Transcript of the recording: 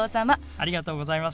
ありがとうございます。